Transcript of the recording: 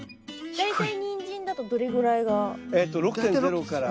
大体ニンジンだとどれぐらいが？